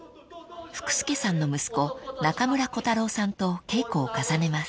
福助さんの息子中村児太郎さんと稽古を重ねます］